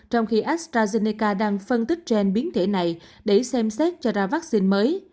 trong khi astrazeneca đang phân tích trên biến thể này để xem xét cho ra vaccine mới